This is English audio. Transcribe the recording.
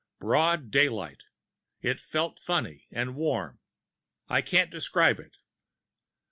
Broad daylight. It felt funny and warm I can't describe it."